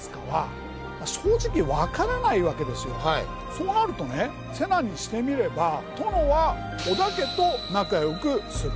そうなるとね瀬名にしてみれば殿は織田家と仲良くする。